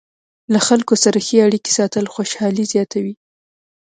له خلکو سره ښې اړیکې ساتل خوشحالي زیاتوي.